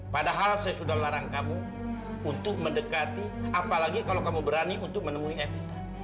padahal saya sudah larang kamu untuk mendekati apalagi kalau kamu berani untuk menemui f